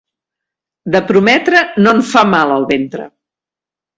De prometre no en fa mal el ventre.